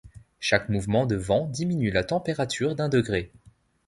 Chaque mouvement de vent diminue la température d'un degré.